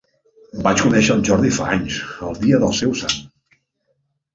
Vaig conèixer el Jordi fa anys, el dia del seu sant.